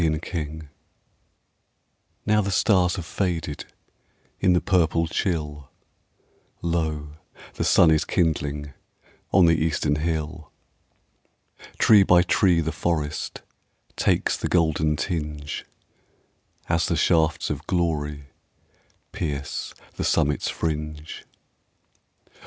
At Sunrise Now the stars have faded In the purple chill, Lo, the sun is kindling On the eastern hill. Tree by tree the forest Takes the golden tinge, As the shafts of glory Pierce the summit's fringe.